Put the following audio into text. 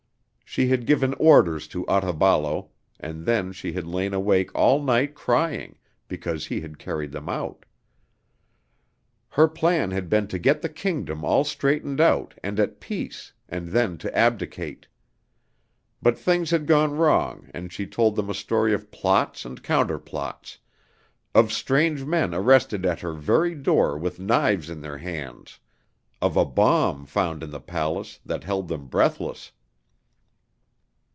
She had given orders to Otaballo and then she had lain awake all night crying because he had carried them out. Her plan had been to get the kingdom all straightened out and at peace, and then to abdicate. But things had gone wrong and she told them a story of plots and counterplots, of strange men arrested at her very door with knives in their hands, of a bomb found in the palace, that held them breathless.